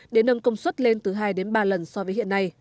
để nâng công suất lên từ hai đến ba lần so với hiện nay